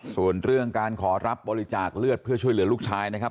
ส่วนเรื่องการขอรับบริจาคเลือดเพื่อช่วยเหลือลูกชายนะครับ